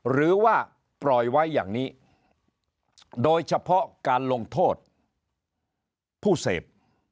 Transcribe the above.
หรือว่าปล่อยไว้อย่างนี้โดยเฉพาะการลงโทษผู้เสพ